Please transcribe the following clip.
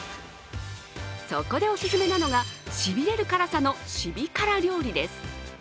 そこでオススメなのがシビれる辛さのシビ辛料理です。